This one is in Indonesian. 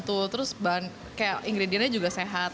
terus bahan kayak ingredientnya juga sehat